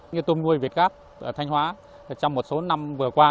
như tôm nuôi việt gáp ở thanh hóa trong một số năm vừa qua